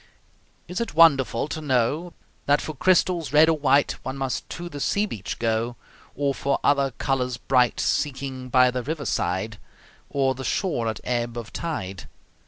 Is it wonderful to know That for crystals red or white One must to the sea beach go, Or for other colors bright, Seeking by the river's side Or the shore at ebb of tide?